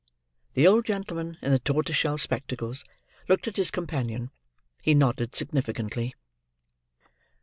The old gentleman in the tortoise shell spectacles looked at his companion, he nodded significantly.